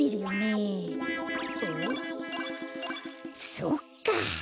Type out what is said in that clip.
そっか！